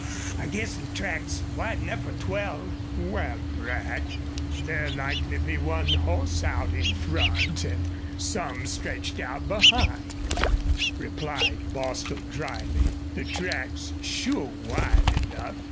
I guess the track's wide enough for twelve." "Wal, Brack, there'll likely be one hoss out in front an' some stretched out behind," replied Bostil, dryly. "The track's sure wide enough."